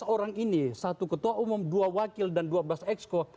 tiga belas orang ini satu ketua umum dua wakil dan dua belas exco